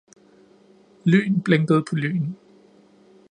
lyn blinkede på lyn.